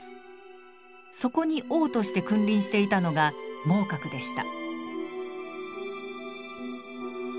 そこに王として君臨していたのが孟獲でした。